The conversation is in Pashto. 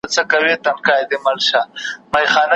خوشحال خان خټک ولي د پښتنو او پښتو ادب پلار بلل کیږي؟